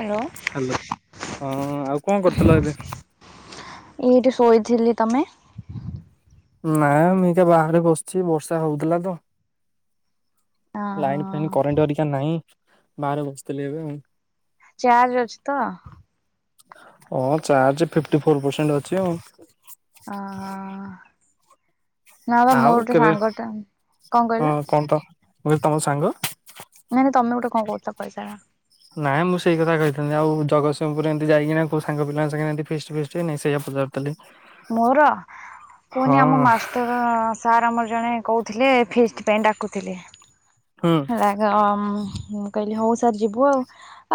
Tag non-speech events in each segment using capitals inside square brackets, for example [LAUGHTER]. Hello. Hello ହଁ ଆଉ କଣ କରୁଥିଲ ଏବେ? ଏଇଠି ଶୋଇଥିଲି, ତମେ? ନାଇଁ ମୁଇଁ ତ ବାହାରେ ବସିଚି ବର୍ଷା ହୋଉଥିଲା ତ। ଲାଇନ ଫାଇନ କରେଣ୍ଟ ହେରିକା ନାହିଁ, ବାହାରେ ବସିଥିଲି ଏବେ ଆଉ। ଚାର୍ଜ ଅଛି ତ? ହଁ ଚାର୍ଜ ଫିଫ୍ଟି ଫୋର୍ ପରସେଣ୍ଟ ଅଛି ଆଉ। ଆ ହଁ ନା ପା ଆଉ ମୋର ଗୋଟେ କେବେ ସାଙ୍ଗଟା କଣ ହଁ କହିଲ? କଣ ତ ମୁଁ କହିଲି ତମ ସାଙ୍ଗ ନାଇଁ ନାଇଁ ତମେ ଗୋଟେ କଣ କହୁଥିଲ କହିସାର? ନାଇଁ ମୁଁ ସେଇ କଥା କହିଥାନ୍ତି ଆଉ ଜଗତସିଂପୁର ଏମିତି ଯାଇକିନା କୋଉ ସାଙ୍ଗ ପିଲାଙ୍କ ସାଙ୍ଗେ ଏ ଫିଷ୍ଟ ଫିଷ୍ଟ ସେଇୟା ପଚା ଥିଲି। ମୋରା କୁହନି ଆମ ମାଷ୍ଟର ଅ ସାର୍ ଆମର ଜଣେ କହୁଥିଲେ ଫିଷ୍ଟ ପାଇଁ ଡାକୁଥିଲେ। ହୁଁ ହେଲା ହାମ କହିଲି ହଉ ସାର୍ ଯିବୁ ଆଉ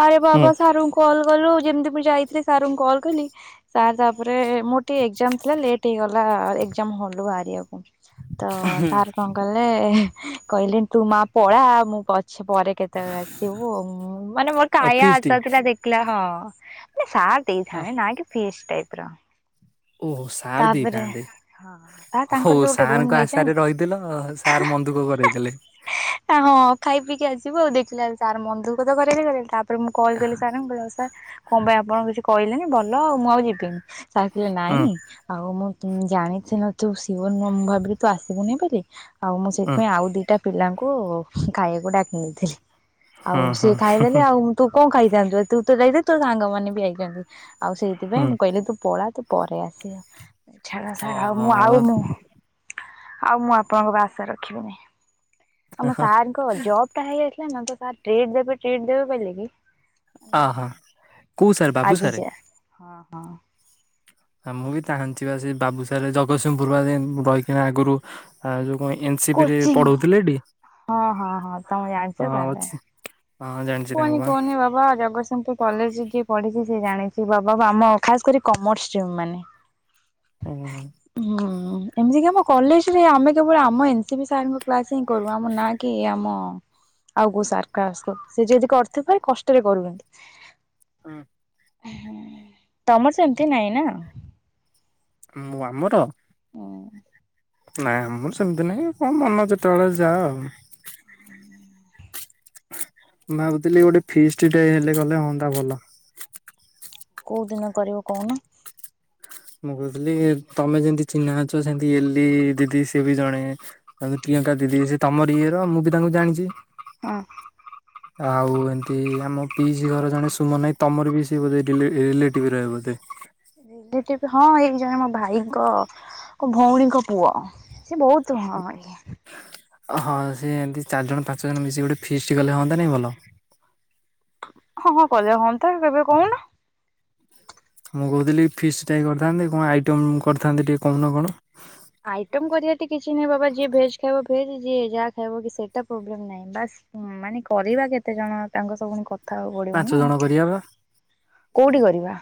ଆରେ ହୁଁ ବାବା ସାରୁଙ୍କୁ କଲ୍ କଲୁ ଯେମିତି ମୁଁ ଯାଇଥିଲି ସାର୍ ଙ୍କୁ କଲ୍ କଲି ସାର୍ ତାପରେ ମୋର ଟିକିେ ଏକ୍ଜାମ ଥିଲା ଲେଟ୍ ହେଇଗଲା ଏକ୍ଜାମ ହଲରୁ ବାହାରିବାକୁ ତ ସାର୍ କଣ କଲେ କହିଲେ କହିଲେ ତୁ ମା ପଳା ମୁଁ ପଛେ ପରେ କେତେବେଳେ ଆସିବୁ ମାନେ ମୋର ଆଉ ଖାୟା ଫିଷ୍ଟ [UNINTELLIGIBLE] ଦେଖିଲା ହଁ ମାନେ ସା [UNINTELLIGIBLE] ଫିଷ୍ଟ ଟାଇପ ର। ଓହ ସାର ତାପରେ ଦେଇଥାନ୍ତେ। ହଁ। ତାଙ୍କର ହଉ ଯୋଉ ଗୋଟେ ରୁମ ସାରଙ୍କ ନେଇଛନ୍ତି ଆଶାରେ ରହିଥିଲ ସାରେ ମନ ଦୁଃଖ କରେଇ ଦେଲେ। ହଁ ଖାଇ ପିଇକି ଆସିବୁ ଆଉ ଦେଖିଲା ତାର ମନ୍ଧୁ କ ତ କରେଇ କରେଇ ତା ତାପରେ ମୁଁ କଲ କଲି ସାର୍ ଙ୍କୁ କହିଲ ସାର୍ କଣ ପାଇଁ ଆପଣଙ୍କୁ କିଛି କହିଲେନି, ଭଲ ଆଉ ମୁଁ ଆଉ ଯିବିନି। ସାର୍ କହିଲେ ହୁଁ ନାଇଁ ଆଉ ମୁଁ ଜାଣିଥିଲିନ ତୁ ସିୟୋନ ମୋମୋ ଭାବି ତୁ ଆସିବୁନି ବୋଲି। ଆଉ ମୁଁ ହୁଁ ସେଥିପାଇଁ ଆଉ ଦିଟା ପିଲାଙ୍କୁ ଖାଇବାକୁ ଡାକି ନେଇଥିଲି। ଆଉ ହୁଁ ସିଏ ହୁଁ ଖାଇଦେଲେ ଆଉ ତୁ କଣ ଖାଇଥାନ୍ତୁ ତୁ ତ ଯାଇଥାନ୍ତୁ ତୋ ସାଙ୍ଗମାନେ ବି ଯଇଥାନ୍ତି ଆଉ ସେଇଥିପାଇଁ ହୁଁ ମୁଁ କହିଲି ତୁ ପଳା ତୁ ପରେ ଆସିବ ଛାଡ ଛାଡ ଆଉ ମୁଁ ହଁ ଆଉ ମୁଁ ଆଉ ମୁଁ ଆପଣଙ୍କ ବା ଆଶା ରଖିବିିନି ଆମ ହଁ ସାର ଙ୍କ ଜବ ହେଇ ଯାଇ ଥିଲାନା ସାର୍ ତ ଟ୍ରିଟ ଦେବେ ଟ୍ରିଟ୍ ଦେବେ ବୋଲି କି ଅହୋ କୋଉ ସାର୍ ବାବୁ ଆଜି ସାରେ। ଯାଏ ହଁ ହଁ। ହଁ ମୁଁ ବି ଜାଣିଛି ବା ସେ ବାବୁସାରେ ଜଗତସିଂହପୁର ବା ରହିକିନା ଆଗରୁ ଆଉ ଯୋଉ କଣ ଏନ ସପି ରେ କୋଚିଂ ପଢଉଥିଲେ ତି? ହଁ ହଁ ହଁ ତମେ ଜାଣିଛ ତାହେଲେ। ହଁ ଜାଣିଚି। କୁହନି କୁହନି ବାବା ଜଗତସିଂପୁର କଲେଜରେ ଯିଏ ପଢିଛି ସେ ଜାଣିଛି ବାବା ଆମ ଖାସ୍ କରି କମର୍ସ ଷ୍ଟିମ ମାନେ। ଉଁ ହୁଁ। ଏମିତି କି ଆମ କଲେଜ ରେ ଆମେ କେବଳ ଆମ ଏ ସ ସାର ଙ୍କ କ୍ଲାସ ହିଁ କରୁ ଆମ ନାଁ କି ଆମ ଆଉ କୋଉ ସାର କ୍ଲାସ କରୁ ସେ ଯଦି କରୁଥିବେ କଷ୍ଟରେ କରୁ କିନ୍ତୁ ହୁଁ। ତମର ସେମିତି ନାଇଁ ନା? ମୁଁ ଆମର ଉଁ। ନାଇଁ ଆମର ସେମିତି ନାଇଁ କଣ ମନ ଯେତେବେଳେ ଯାଅ ଆଉ। ମୁଁ ଭାବୁଥିଲି ଗୋଟେ ଫିଷ୍ଟି ହେଲେ ଗଲେ ହୁଅନ୍ତା ଭଲ। କୋଉ ଦିନ କରିବ କହୁନ? ମୁଁ କହୁଥିଲି ତମେ ଯେମିତି ଚିହ୍ନା ଅଛ ସେମିତି ଏଲି ଦିଦି ସିଏ ବି ଜଣେ। ତା ପ୍ରିୟଙ୍କା ଦିଦି ସେ ତମର ଇଏ ର ମୁଁ ବି ତାଙ୍କୁ ଜାଣିଛି। ହଁ। ହ [INAUDIBLE] ଆଉ ଏମିତି ଆମ ପିଇସି ଘର ଜଣେ ସୁମନ ଭାଇ ତମର ବି ସିଏ ବୋଧେ ରିଲେ ରିଲେଟିଭରେ ହେବେ ବୋଧେ। ଡିଲେଟିଭ୍ ହଁ ଏଇ ଜଣେ ମୋ ଭାଇଙ୍କ ଭଉଣୀଙ୍କ ପୁଅ। ସେ ବହୁତ ହଁ ହଁ ଇଏ ହଁ ସେ ଏମିତି ଚାରିଜଣ ପାଞ୍ଚଜଣ ମିଶିକି ଗୋଟେ ଫିଷ୍ଟ୍ କଲେ ହନ୍ତାନି ଭଲ? ହଁ ହଁ କଲେ ହୁଅନ୍ତା କେବେ କହୁନ? ମୁଁ କହୁଥିଲି ଫିସ୍ ଟା କରିଥାନ୍ନ୍ତି କଣ ଆଇଟମ କରିଥାନ୍ତେ ଟିକେ କହୁନ କଣ? ଆଇଟମ କରିବା ଟି କିଛି ନାହିଁ ବାବା ଯିଏ ଭେଜ୍ ଖାଇବ ଭେଜ୍ ଯିଏ ଯାହା ଖାଇବ କି ସେଇଟା ପ୍ରୋବ୍ଲେମ୍ ନାହିଁ ବାସ୍ ହୁଁ ମାନେ କରିବା କେତେଜଣ ତାଙ୍କୁ ସବୁ କଥା ହବାକୁ ପଡିବ ପାଞ୍ଚ ନା ଜଣ ଆଉ। କରିବା ବା କୋଉଠି କରିବା?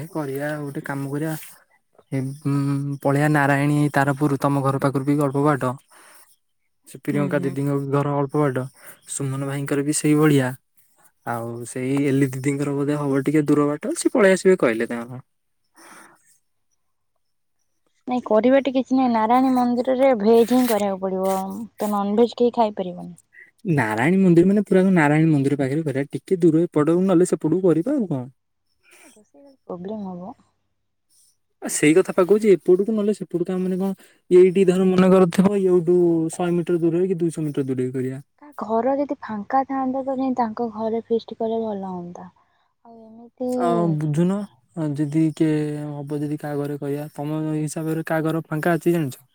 ଏ କରିବା ଗୋଟେ କାମ କରିବା ଉ ପଳେଇବା ନାରାୟଣୀ ତାରପୁର ତମ ଘର ପାଖରୁ ବି ଅଳ୍ପ ବାଟ। ସେ ହୁଁ ପ୍ରିୟଙ୍କା ହୁଁ। ଦିଦିଙ୍କ ବି ଘର ଅଳ୍ପ ବାଟ ସୁମନ ଭାଇଙ୍କର ବି ସେଇ ଭଳିଆ। ଆଉ ସେଇ ଏଲି ଦିଦିଙ୍କର ବୋଧେ ହବ ଟିକେ ଦୂର ବାଟ ସିଏ ପଳେଇଆସିବେ କହିଲେ ତାଙ୍କର। ନାଇଁ କରିବା ଟି କିଛି ନାାଇଁ ନାରାୟଣୀ ମନ୍ଦିରରେ ଭେଜ ହିଁ କରିବାକୁ ପଡିବ। ତ ନନଭେଜ କେଇ ଖାଇ ପାରିବନି। ନାରାୟଣି ମନ୍ଦିର ମାନେ ପୁରା ନାରାୟଣି ମନ୍ଦିର ପାଖରେ କରିବା ଟିକେ ଦୂର ଏପଟକୁ ନହେଲେ ସେପଟକୁ କରିବା ଆଉ କଣ? ପ୍ରୋବ୍ଲେମ ହବ। ଆ ସେଇ କଥା ପା କଉଛି ଏପଟକୁ ନହେଲେ ସେପଟକୁ ତା ମାନ କଣ ଏଇଠି ଧର ମନେ କରୁଥିବ ଏଇଠୁ ଶହେ ମିଟର ଦୂରରେ କି ଦୁଇଶହ ମିଟର ଦୂରରେ କରିବା। କା ଘର ଯଦି ଫାଙ୍କା ଥାଆନ୍ତା ତ ଯାଇଁ ତାଙ୍କ ଘରେ ଫିଷ୍ଟ୍ କଲେ ଭଲ ହନ୍ତା। ଆଉ ବୁଝୁନୁ। ହଁ ଯଦି କିଏ ହବ ଯଦି କାହା ଘରେ କରିବା ତମ ଏଇ ହିସାବରେ କାହା ଘର ଫାଙ୍କା ଅଛି ଜାଣିଛ।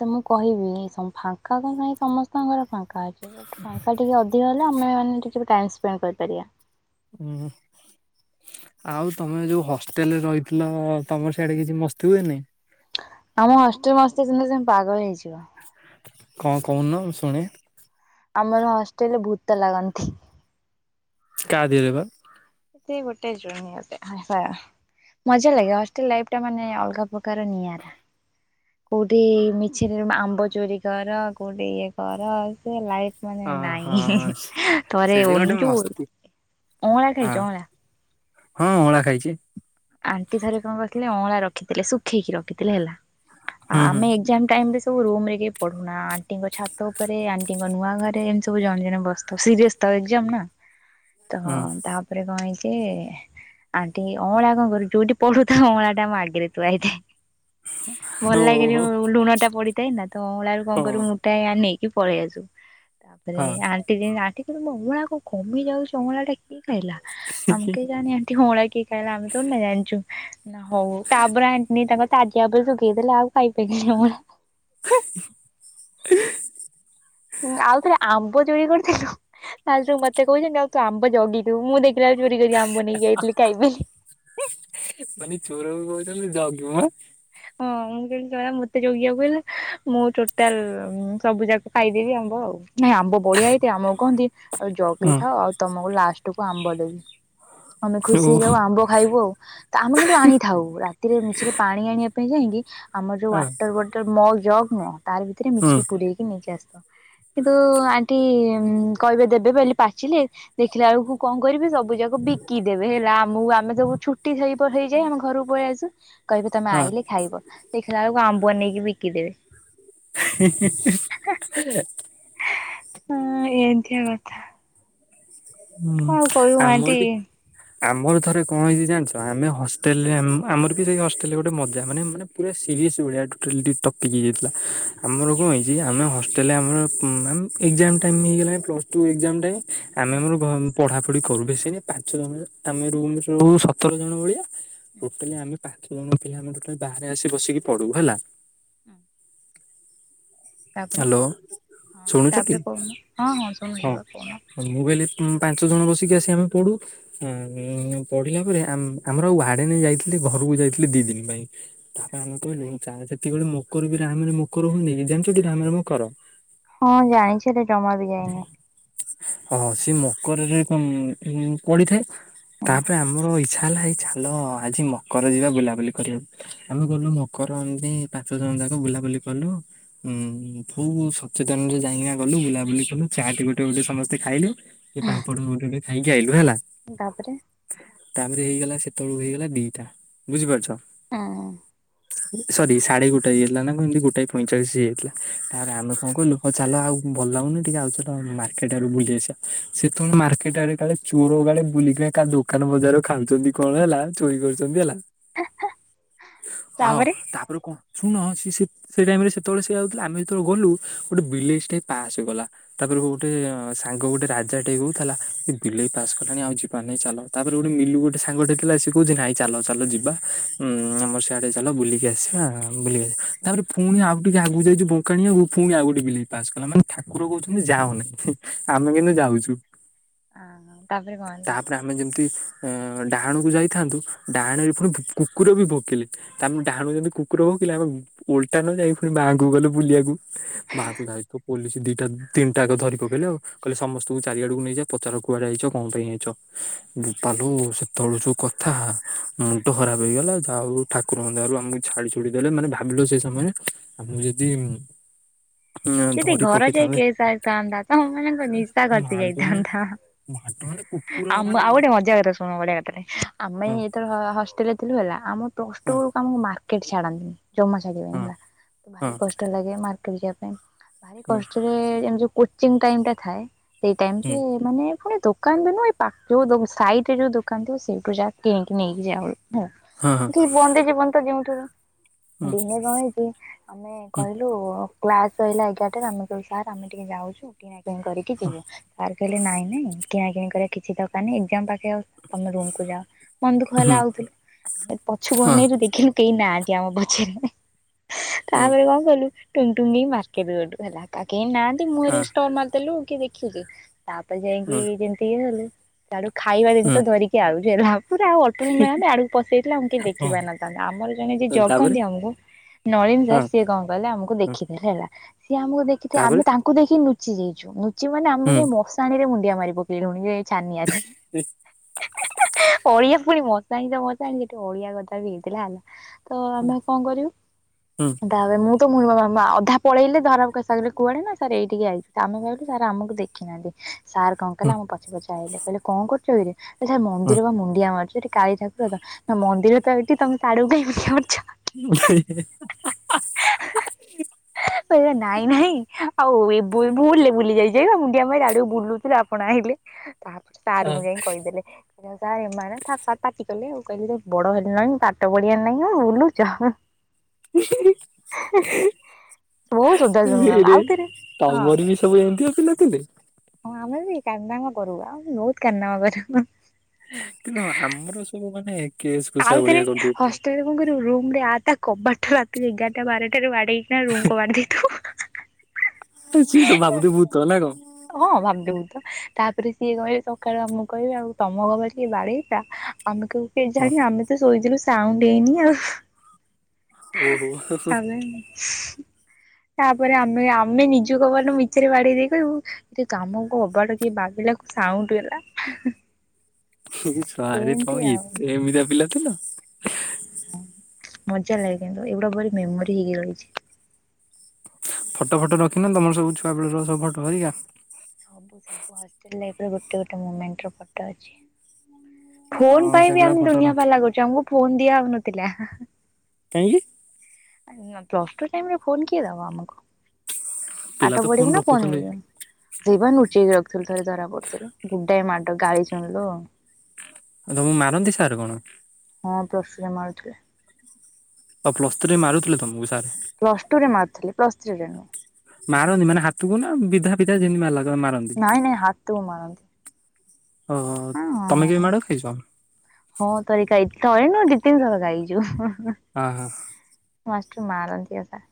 ତ ମୁଁ କହିବି ଏସ ଫାଙ୍କା ତ କାଇଁ ସମସ୍ତଙ୍କର ଫାଙ୍କା ଅଛି ବଟ ଫାଙ୍କା ଟିକେ ଅଧିକା ହେଲା ଆମେ ମାନ ଟିକେ ଟାଇମ ସ୍ପେଣ୍ଡ କରିପାରିବା। ହୁଁ। ଆଉ ତମେ ଯୋଉ ହଷ୍ଟେଲରେ ରହିଥିଲ ତମର ସେଇଆଡେ କିଛି ମସ୍ତି ହୁଏ ନାହିଁ। ଆମ ହଷ୍ଟେଲ ମସ୍ତି ଶୁଣିଲେ ତମେ ପାଗଳ ହେଇଯିବ। କଣ କଉଁନ ଶୁଣେ? ଆମର ହଷ୍ଟେଲରେ ଭୂତ ଲାଗନ୍ତି। କା ଦେହରେ ବା? ସେଥି ଗୋଟେ ଝିଅଟେ ପା। ମଜା ଲାଗେ ହଷ୍ଟେଲ ଲାଇଫ୍ ଟା ମାନେ ଅଲଗା ପ୍ରକାର ନିଆଁରା। କଉଠି ମିଛରେ ଆମ୍ବ ଚୋରି କର କଉଠି ଇଏ କର ସେ ଲାଇଫ୍ ମାନେ ଅ ନାଇଁ ହଁ। ଥରେ ସେଠି ଓ ଗୋଟେ ଯୋଉ ମସ୍ତି ଅଁଳା ହଁ ଖାଇଛ ଅଁଳା। ହଁ ଅଳା ଖାଇଛି। ଆଣ୍ଟି ଥରେ କଣ କରିଥିଲେ ଅଁଳା ରଖିଥିଲେ ଶୁଖେଇକି ରଖିଥିଲେ ହେଲା ଆଉ ହୁଁ ହୁଁ ଆମେ ଏକଜ୍ଜାମ୍ ଟାଇମରେ ସବୁ ରୁମ ରେ କେହି ପଢୁନା ଆଣ୍ଟିଙ୍କ ଛାତ ଉପରେ ଆଣ୍ଟିଙ୍କ ନୂଆ ଘରେ ଏମିତି ସବୁ ଜଣେ ଜଣେ ବସିଥାଉଁ ସିରିୟସ୍ ତ ଏକଜ୍ଜାମ୍ ନା। [INAUDIBLE] ତ ତାପରେ କଣ ହେଇଛି ଆଣ୍ଟି ଅଁଳା କଣ ଯୋଉଠି ପଢୁଥାଉ ଅଁଳାଟା ଆମ ଆଗରେ ଥୁଆହେଇଛି। ଭଲ ଲାଗେ ଓହୋ ଯୋଉ ଲୁଣଟା ପଡିଥାଏ ନା ତ ଅଁଳାରୁ କଣ ହଁ କରିବୁ ଟା ନେଇକି ପଳେଇ ଆସୁ ତାପରେ ହଁ। ଆ ଆଣ୍ଟି କହୁଛନ୍ତି ମୋ ଅଉଳା କ କମି ଯାଉଛି ଅଁଳା ଟା କିଏ ଖାଇଲା ଆମେ କେଇଜାଣି ଆଣ୍ଟି ଅଉଳା କିଏ କାଇ ନା ଆମେତ ତୁ ନ ଜାଣିଛୁ ନା ହଉ ହଉ ତାପରେ ଆଣ୍ଟି ତାଙ୍କ ତାଜା ଉପରେ ଶୁଖେଇଦେଲେ ଆଉ ଖାଇପାଇଲୁନୁ ହୁ। [INAUDIBLE] ଆଉ ଥରେ ଆମ୍ବ ଚୋରି କରିଥିଲୁ ତା ମତେ କହୁଛନ୍ତି ଆଉ ତୁ ଆମ୍ବ ଜଗିଥିବୁ ମୁଁ ଦେଖି ଦେଖିଲା ବେଳକୁ ଚୋରି କରିକି ଆମ୍ବ ନେଇକି ଆଇଥିଲି ଖାଇବିି ବୋଲି। ମାନି ଚୋର କହୁଛନ୍ତି ଜଗ। ହଁ ମୁଁ କେମିତି କଲା ମତେ ଜଗିବାକୁ ହେଲେ ମୁଁ ଟୋଟାଲ ସବୁ ଯାକ ଖାଇଦେବି ଆମ୍ବ ଆଉ। ନାଇଁ ଆମ୍ବ ବଢିଆ ହେଇଥାଏ ଆମକୁ କହନ୍ତି ଆଉ ଜଗିଥାଅ ଆଉ ତମକୁ ଲାଷ୍ଟ କୁ ଆମ୍ବ ଦେବି। ଆମେ ହୁଁ ଖୁସି ଓ ହେଇଯାଉ ହଁ ଆମ୍ବ ଖାଇବୁ ଆଉ ତ ଆମେ କିନ୍ତୁ ଆଣିଥାଉ ରାତିରେ ମିଛରେ ପାଣି ଆଣିବା ଯାଇକି ଆମର ଯୋଉ ୱାଟର ବଟଲ ମଗ ଜଗ ନୁହଁ ତାର ଭିତରେ ହୁଁ ମିଶିକି ପୁରେଇକି ନେଇକି ଆସ କିନ୍ତୁ ଆଣ୍ଟି କହିବେ ଦେବେ ପାଚିଲେ ଦେଖିଲା ବେଳକୁ କଣ କରିବେ ସବୁ ଯାକ ବିକି ଦେବେ ହେଲା ଆମକୁ ଆମେ ସବୁ ଛୁ ହେଇଯାଏ ଆମ ଘରକୁ ପଳେଇ ଆସୁ କହିବେ ତମେ ହଁ ଆଇଲେ ଖାଇବ ଦେଖିଲା ବେଳକୁ ଆମ୍ବୁ ନେଇକି ବିକିଦେବେ। [UNINTELLIGIBLE] ହଁ ଏମିତିିଆ କଥା। ହୁଁ କଣ କହିବୁ ଆଉ ଆଣ୍ଟି ମୋର ଆମର ଥରେ କଣ ହେଇଚି ଜାଣିଚ ଆମେ ହଷ୍ଟେଲରେ ଆମ ଆମର ବି ସେଇ ହଷ୍ଟେଲରେ ଗୋଟେ ମଜା ମାନେ ପୁରା ସିରିଅସ୍ ଭଳିଆ ଟୋଟାଲି ଟିକ ଟପିକ୍ ହେଇଯାଇଥିଲା, ଆମର କଣ ହେଇଚି ଆମେ ହଷ୍ଟେଲରେ ଆମର ଆମ୍ ଏକଜାମ୍ ଟାଇମ୍ ହେଇଗଲାଣି ପ୍ଲସ୍ ଟୁ ଏକଜାମ୍ ଟାଇମ୍ ଆମେ ହୁଁ ଆମର ପଢାପଢି କରୁ ବେଶୀ ନାଇ ପାଞ୍ଚ ଜଣ ଆମେ ରୁ ସତର ଜଣ ଭଳିଆ। ହୁଁ ଟୋଟାଲି ଆମେ ପାଞ୍ଚ ଜଣ ପିଲା ଆମେଟା ବାହାରେ ଆସି ବସିକି ପଢ଼ୁ ହେଲା। ହୁଁ [UNINTELLIGIBLE] ତାପରେ ହ୍ୟାଲୋ ହଁ ଶୁଣୁଛନ୍ତି? ତାପରେ କହୁନ ହଁ ହଁ ଶୁଣୁଚିବା କୁହ। ମୁଁ କହିଲି ପାଞ୍ଚ ଜଣ ବସିକି ଆସି ଆମେ ପଢୁ। ପଢିଲା ପରେ ଆମ ଆମର ଆଉ ୱାଡେ ନେଇ ଯାଇଥିଲେ ଘରକୁ ଯାଇଥିଲେ ଦିଇ ଦିନ ପାଇଁ। ତାପରେ ଆମେ କହିଲୁ ଯେତିକି ବେଳେ ମକର ବି ରାମରେ ମକର ହୁଏନି କି ଜାଣିଚ [UNINTELLIGIBLE] ରାମ ହ ହଁ ଜାଣିଚି ଜମା ବି ଯାଇନି। ହଁ ସେ ମକରରେ [INAUDIBLE] ପଡି ହୁଁ ତାପରେ ଆମର ଇଚ୍ଛା ହେଲା ଚାଲ ଆଜି ମକର ଯିବା ବୁଲାବୁଲି କରିବାକୁ। ଆମେ ଗଲୁ ମକର ଏମତି ପାଞ୍ଚ ଜଣ ଯାକ ବୁଲାବୁଲି କଲୁ। ହୁଁ ବୁ ସଚେତନରେ ଯାଇକି ଗଲୁ ବୁଲାବୁଲି କଲୁ ଚାଟ ଗୋଟେ ଗୋଟେ ସମସ୍ତେ ଖାଇଲୁ। ସେ ପାମ୍ପଡ ମୁଣ୍ଡ ଟ ଖାଇକି ଆଇଲୁ ହେଲା। ତାପରେ ତାପରେ ହେଇଗଲା ସେତେବେଳକୁ ହେଇଗଲା ଦିଟା ବୁଝିପାରୁଚ? ହଁ। ସରି ସାଢେ ଗୋଟେ ହେଇାଇଲା ନା କେମିତି ଗୋଟାଏ ପଇଁଚାଳିଶ ହେଇଯାଇଥିଲା ତାପରେ ଆମେ କଣ କଲୁ ହଉ ଚାଲ ଆଉ ଭଲ ଲାଗୁନି ଟିକେ ଆଉ ଚାଲ ମାର୍କେଟ ଆ ବୁଲି ଆସିବା। ସେ ତ ମାର୍କେଟ ଆଡେ କାଳେ ଚୋର ଗୁରା ବୁଲିକି କା ଦୋକାନଜାର ଖାଉଛନ୍ତି କଣ ହେଲା। ଚୋରି କରୁଛନ୍ତି ହେଲା, ହଁ ତାପରେ କଣ ଶୁଣ ସ ସେ ଟାଇମ ରେ ସେତେବେଳେ [UNINTELLIGIBLE] ଆମେ ଯେତେବେଳେ ଗଲୁ ଗୋଟେ ବିଲେଇ ଟେ ପାସ୍ କଲା। ତାପରେ ଗୋଟେ ସାଙ୍ଗ ଗୋଟେ ରା ଟ କଉଥିଲା ବିଲେଇ ପାସ୍ କଲାଣି ଆଉ ଯିବାନି ଚାଲ ତାପରେ ଗୋଟେ ବିଲୁ ଗୋଟେ ସାଙ୍ଗ ଥିଲା ସେ କହୁଚି ନାଇ ଚାଲ ଚାଲ ଯିବା ଉ ଆମର ସିଆଡେ ଚାଲ ବୁଲିକି ଆସିବା [UNINTELLIGIBLE] ତାପରେ ପୁଣି ଆଉ ଟିକେ ଆଗକୁ ଯାଇଛି ବଙ୍କାଣି ଆକୁ ପୁଣି ଆଉ ଗୋଟେ ବିଲେଇ ପାସ କଲା, ଠାକୁର କହୁଛନ୍ତି ଯାଅ ନାହିଁ। ଆମେ କିନ୍ତୁ ଯାଉଚୁ। ହଁ ତା ପରେ କଣ ହେଲା? ଆମେ ଯେମିତି ଅ ଡାହାଣକୁ ଯାଇଥାନ୍ତୁ ଡାହାଣରେ ପୁଣି କୁକୁର ବି ଭୋକେଇଲେ ତାମେ ଡାହାଣକୁ [UNINTELLIGIBLE] କୁକୁର ଭୁକିଲେ ଆ ଓଲଟା ନ ଯାଇ ପୁଣି ମାଆଙ୍କୁ ଗଲୁ ବୁଲିବାକୁ ମାଆ କକୁ ଧାଇ ପୋଲିସ୍ ଦିଟା ତିନିଟାକ ଧରିପକେଇଲେ ଆଉ। ସମସ୍ତେ ତୁ ଚାରିଆଡକୁ ନେଇଯା ପଚାର କୁଆଡେ ଆଇଚ କଣ ପାଇଁ ଆଇଚ? ବୋପାଲୋ ସେତବେଳୁ ଯୋଉ କ ମୁଣ୍ଡ ଖରାପ ହେଇଗଲା ଯାହାଉ ଠାକୁରଙ୍କ ଦୟାରୁ ଆମକୁ ଛାଡି ଛୁଡି ଦେଲେ ମାନେ ଭାବିଲୁ ସେ ସମୟରେ ଆମକୁ ଯଦି ଯଦି ଧରି ଘର ଯାଏ ପକେଇଥାନ୍ତେ କେସ୍ ଆସିଥାନ୍ତା ତମ [UNINTELLIGIBLE] ମାଡ ମାନେ ଯାଇଥାନ୍ତା ମାଡ ମାନେ କୁକୁର ମାନେ ଆମ ହଁ ଆଉ ଗୋଟେ ମଜା କଥା ଶୁଣ ବଡ଼ିଆ କଥାଟେ ଆମେ ଏଇ ହ ହଷ୍ଟେଲରେ ଥିଲୁ ହେଲା ଆମ ପ୍ଲସ ହଁ ଟୁ ବେକୁ ଆମୁକୁ ମାର୍କେଟ ଛାଡନ୍ତିନି ଜମା ହଁ ହେଲା ହଁ ଭାରି କଷ୍ଟ ଲାଗେ ମାର୍କେଟ ଯିବା ପାଇଁ ଭାରି କଷ୍ଟରେ ଏମିତି ଗୋ ଚୀନ୍ ଟାଇମ୍ ଟେ ଥାଏ ସେଇ ହୁଁ। ଟାଇମରେ ମାନେ ପୁଣି ଦୋ କାନ ବି ନୁଅ ଏ ପାକୁ ଦୋଉ ସାଇଡ଼ରୁ ଦୋକାନ ଥିବ ସେଇଠୁ ଯା କିଣିକି ନେଇକି ଯାଉ ହୁଁ। ହଁ ହଁ। ବନ୍ଦି ଜୀବନ ତ ଜିଉଁଥିବ ହୁଁ ଦିନେ କଣ ହେଇଛି ଆମେ ହୁଁ କହିଲୁ କ୍ଲାସ୍ ସଇଲା ଏଗାରଟାରେ ଆମେ କଇଲୁ ସାର୍ ଆମେ ଟିକେ ଯାଉଛୁ କିଣାକିଣି କରିକି ଯିବୁ। ସାର୍ କଇଲେ ନାଇଁ ନାଇଁ କିଣାକିିଣି କରିବା କିଛି ଦରକାର ନାହିଁ ଏକ୍ଜାମ୍ ପାଖେଇ ଆଉ ତମେ ରୁମକୁୁ ଯାଅ। ମନ ଦୁଖ ହୁଁ ହେଲା ଆଉଥିଲୁଏ ପଛୁକୁ ହଁ ଅନେଇଲୁ ଦେଖିଲୁ କେହି ନାହାନ୍ତି ଆମ ପଛରେ। ହୁଁ ତାପରେ କଣ କଲୁ ଟୁଙ୍ଗ ଟୁଙ୍ଗ ହେଇ ମାର୍କେଟ ଗଲୁ ହେଲା କା କେହି ନାହାନ୍ତି ମୁହଁରେ ହଁ ଷ୍ଟଲ୍ ମାରି ତେଲୁ କିଏ ଦେଖୁଚି ତାପରେ ଯାଇକି ହୁଁ ଯେମିତି ଇଏ କଲୁ ସିଆଡ଼ୁ ଖାଇବା ହୁଁ ଜିନିଷ ଧରି ଆଉଚି ହେଲା ହା ପୁରା ଅ କହିଲି ମ୍ୟାମ ଆଡ଼କୁ ପଶି ଆଇଥିଲେ ଆମକୁ କେହି ଦେଖି ହଁ ପାରିନଥାନ୍ତେ ଆମର ଜଣେ ଯିଏ ତାପରେ ଜଗନ୍ତି ଆମକୁ ନଳିନ୍ ହଁ ସାର ସିଏ କଣ କଲେ ଆମକୁ ଦେ ହଁ ଖି ଦେଲେ ହେଲା ସିଏ ଆମକୁ ଦେଖିଥେ ଆମେ ତାପରେ ତାଙ୍କୁ ଦେଖି ନୁଚି ଯାଇଛୁୁ ନୁଚି ମାନେ ଆମ ହୁଁ ଯାଇ ମସ୍ ସାଣିରେ ମୁଣ୍ଡିଆ ମାରି ପକେଇଲୁଣି ଏ ଛାନିଆରେ। ଅଳିଆ ପୁଣି ମସାଣି ତ ମସାଣି ହେଠି ଅଳିଆ ଗଦା ବି ହେଇଥିଲା ହେଲା। ତ ଆମେ ଆ କଣ କରିବୁ ହୁଁ ତାପରେ ମୁଁ ତ ମୁ ଅଧା ପଳେଇଲେ ଧରାଙ୍କ ସାଙ୍ଗରେ କୁଆଡେ ନା ସାର୍ ଏଇଠିକି ଆଇଛି ତ ଆମେ କହିଲୁ ସାର୍ ଆମକୁ ଦେଖିନାହାନ୍ତି। ସାର୍ କଣ କଲେ ଆମ ପଛେ ପଛେ ଆଇଲେ କହିଲେ କଣ କରୁଛ ଏଇଟି ସାର୍ ମନ୍ଦିର ବା ମୁଣ୍ଡିଆ ମାରୁଚୁ ଏଠି କାଳି ଠା ନା ମନ୍ଦିର ତ ଏଇଠି ତମେ ତା ଆଡ଼କୁ କାଇଁ ମୁଣ୍ଡିଆ ମାରୁଛ? ସେୟା ନାଇଁ ନାଇଁ ଆଉ ଏ ବୁ ଭୁଲରେ ବୁଲି ଯାଇଛି ଏ ମୁଣ୍ଡିଆ ପାଇଁ ଆଡେକୁ ବୁଲୁଥିଲି ଆପଣ ଆଇଲେ। ତାପରେ ସାରଙ୍କୁ ହଁ ଯାଇଁ କଇଦେଲେ। ଲେ ଆଉ ସାର ଏମାନେ ଥା ପାଟି କଲେ ଆଉ କହିଲେ ବଡ଼ ହେଲଣି ପାଠ ପଢ଼ିବାର ନାଇଁ ଆଉ ବୁଲୁଚ। ବହୁତ ସୋଦା ଶୁଣୁ ଆମେ ଇରେ ଆଉଥରେ ହଁ ତମର ବି ସବୁ ଏମିତିଆ ପିଲାଥିଲେ। ହଁ ଆମେ ବି କାରନାମା କରୁ ଆମେ ବହୁତ କାରନାମା କରୁ। କିନ୍ତୁ ଆମର ସବୁ ମାନେ କେସ୍ କୁସା ଆଉଥରେ ଭଳିଆ କରିଦଉଥିଲେ। ହଷ୍ଟେଲରେ କଣ କରିବୁ ରୁମରେ ଆ ତା କବାଟ ରାତି ଏଗାରଟା ବାରଟାରେ ବାଡ଼େଇ କିନା ରୁମ କବାଟ ଦେଇଦୋଉ। ସିଏ ସବୁ ଭାବୁଥିବେ ଭୁତ ନାଁ କଣ? ହଁ ଭାବୁଥୁବେ ବୁତ ତାପରେ ସିଏ କହିବେ ସକାଳୁ ଆମକୁ କହିବେ ଆଉ ତମ କବାଟ କିଏ ବାଡ଼େଇଥା? ଆମେ କଇବୁ କେଜାଣି ଆମେ ତ ଶୋଇଥିଲୁ ସାଉଣ୍ଡ ହେଇନି ଆଉ। ଓହୋ [UNINTELLIGIBLE] ତାପରେ ଆମେ ଆମେ ନିଜ କବାଟ ମିଚରେ ବାଡ଼େଇ ଦେଇ କହିବୁ ଦେକ୍ ଆମ କବାଟ କିଏ ବାଡ଼େଇଲା କ ସାଉଣ୍ଡ ହେଲା। ଏ ଶଳାରେ ଏମିତି ତମେ ଆଉ ଏତେ ଏମିତିଆ ପିଲା ଥିଲ? ହଁ ମଜା ଲାଗେ କିନ୍ତୁ ଏଗୁଡ଼ା ବ ମେମୋରି ହେଇକି ରହିଛି। ଫଟ ଫଟ ରଖିନ ତମ ସବୁ ଛୁଆବେଳର ସବୁ ଫଟ ହେରିକା? ସବୁ ସବୁ ହଷ୍ଟେଲ ଲାଇଫର ଗୋଟେ ଗୋଟେ ମୋମେଣ୍ଟର ଫଟ ଅଛି। ଫୋନ ହଁ ପାଇଁ ବି ସେଗୁଡା ଆମେ ଫଟୋ ଦୁନିଆ ରଖି ପାଲା କରିଛୁ ଆମକୁ ଫୋନ ଦିଆ ହଉନଥିଲା। କାହିଁକି? ପ୍ଲସ ଟୁ ଟାଇମ୍ ରେ ଫୋନ୍ କିଏ ଦବ ଆମକୁ? ପିଲା ପାଠ ତ ପଢ଼ିବୁ ନା ଫୋନ ରଖୁଛନ୍ତି ଧ ସେଇପା ନୁଚେଇକି ରଖିଥିଲୁ ଥରେ ଧରା ପଡ଼ିଥିଲୁ ଗୁଡ଼ାଏ ମାଡ଼ ଗାଳି ଶୁଣିଲୁ ଆଉ। ତମକୁ ମାରନ୍ତି ସାର୍ କଣ? ହଁ ପ୍ଲସ ଟୁ ରେ ମାରୁଥିଲେ। ଓ ପ୍ଲସ୍ ଥ୍ରୀରେ ମାରୁଥିଲେ ତମକୁ ସାର୍। ପ୍ଲସ୍ ଟୁରେ ମାରୁଥିଲେ ପ୍ଲସ ଥ୍ରି ରେ ନୁଏ। ମାରନ୍ତି ମାନେ ହାତକୁ ନା ବିଧା ଫିଧା ଯେମିତି ମାରିଲା ସ ମାରନ୍ତି। ନାଇଁ ନାଇଁ ହାତକୁ ମାରନ୍ତି। ଓହୋ ତମେ କେବେ ମାଡ଼ ଖାଇଛ? ହଁ ଥରେ ଖାଇଛି ଥରେ ନୁହଁ ଦି ତିିନିଥର ଖାଇଛୁ ଅଁ ହଁ ମାଷ୍ଟର ମାରନ୍ତି ଆ ସା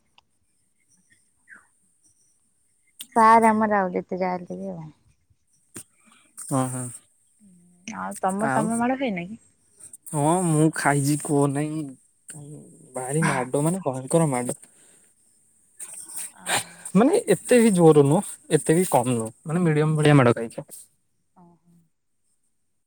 ସାର୍ ଆମର ଆଉ ଯେତେ ଯାହା ହାଲେବି ଆଉ। ଅଁ ହଁ ଆଉ ତମ ତମେ ମାଡ ଖାଇନାକି ହଁ ମୁଁ ଖାଇଛି କୁହ ନାହିଁ ଭାରି ମାଡ ମାନେ ଭୟଙ୍କର ମାଡ। ଓହୋ ମାନେ ଏତେ ବି ଜୋର ନୁହଁ, ଏତେ ବି କମ ନୁହଁ ମାନେ ମିଡିୟମ ଭଳିଆ ମେଡ ଖାଇଛୁ। ଓହୋ।